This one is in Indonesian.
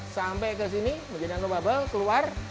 sampai ke sini menjadi nano bubble keluar